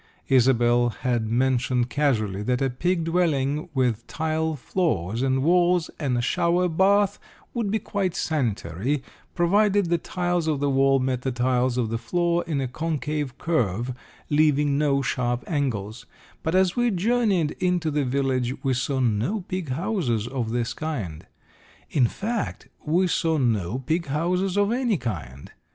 Isobel had mentioned casually that a pig dwelling with tile floors and walls and a shower bath would be quite sanitary, provided the tiles of the wall met the tiles of the floor in a concave curve, leaving no sharp angles; but as we journeyed into the village we saw no pig houses of this kind. In fact we saw no pig houses of any kind.